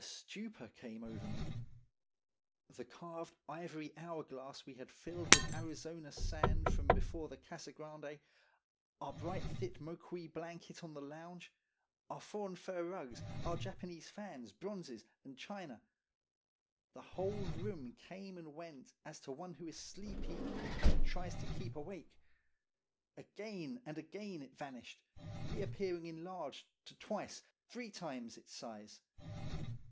A stupor came over me. The carved ivory hourglass we had filled with Arizona sand from before the Casa Grande, our bright, thick Moqui blanket on the lounge, our foreign fur rugs, our Japanese fans, bronzes, and china the whole room came and went as to one who is sleepy yet tries to keep awake. Again and again it vanished, re appearing enlarged to twice, three times, its size.